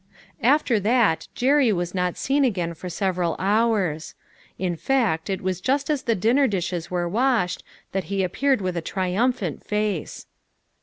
After that, Jerry was not seen again for sev eral hours. In fact it was just as the dinner dishes Avere washed, that he appeared with a triumphant face.